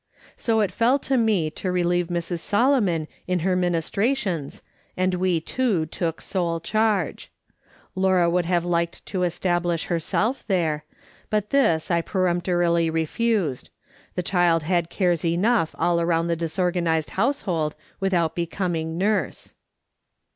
So it fell to me to relieve Mrs. Solomon in her minis trations, and we two took sole charge. Laura would have liked to establish herself there, but this I per emptorily refused ; the child had cares enough all 176 MJ^S. SOLOMON SMITH LOOKING ON. around the disorganised household, without becoming nurse.